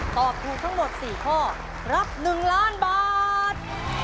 ตอบถูกทั้งหมด๔ข้อรับ๑ล้านบาท